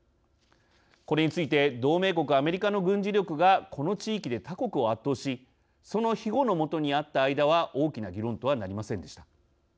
これについて同盟国、アメリカの軍事力がこの地域で他国を圧倒しそのひごの下にあった間は大きな議論とはなりませんでした。